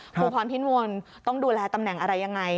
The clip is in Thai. พรพิมลต้องดูแลตำแหน่งอะไรยังไง